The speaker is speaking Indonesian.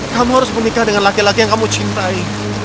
kamu harus menikah dengan laki laki yang kamu cintai